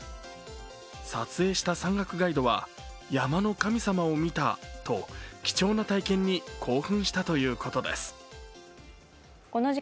撮影した山岳ガイドは、山の神様を見たと、貴重な体験に興奮したということです。